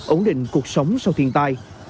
ổn định cuộc sống sau thiên tai